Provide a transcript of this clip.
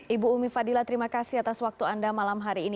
ibu umi fadila terima kasih atas waktu anda malam hari ini